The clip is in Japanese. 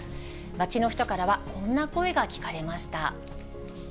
街の人からはこんな声が聞かれました。